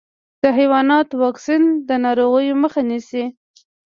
د حیواناتو واکسین د ناروغیو مخه نيسي.